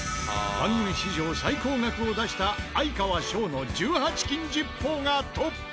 番組史上最高額を出した哀川翔の１８金ジッポーがトップに。